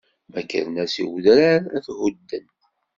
Ma kkren-as i udrar, ad t-hudden.